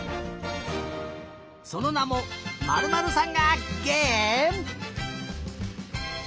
そのなも「○○さんが」げえむ。